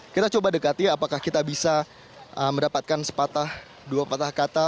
kita coba dekati apakah kita bisa mendapatkan sepatah dua patah kata